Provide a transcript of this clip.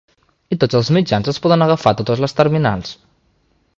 I tots els mitjans es poden agafar a totes les terminals?